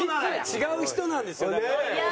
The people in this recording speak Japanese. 違う人なんですよだから。